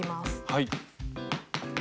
はい。